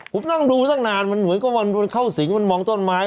ผมนั่งดูตั้งนานมันเหมือนกับมันเข้าสิงมันมองต้นไม้